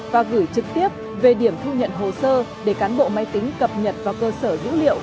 và gửi trực tiếp về điểm thu nhận hồ sơ để cán bộ máy tính cập nhật vào cơ sở dữ liệu